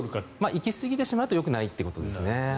行きすぎてしまうとよくないということですね。